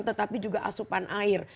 tetapi juga asupan air